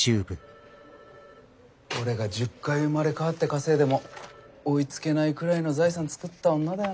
俺が１０回生まれ変わって稼いでも追いつけないくらいの財産作った女だよな。